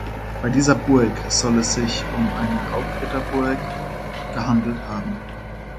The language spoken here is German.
Bei dieser Burg soll es sich um eine Raubritterburg gehandelt haben.